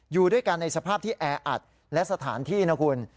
อยู่ด้วยกันในสภาพที่แออัดและสถานที่นะคุณ